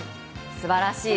素晴らしい。